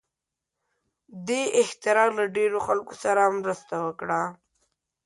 دې اختراع له ډېرو خلکو سره مرسته وکړه.